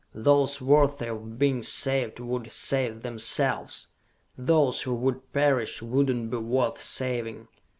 "Those worthy of being saved would save themselves! Those who would perish would not be worth saving!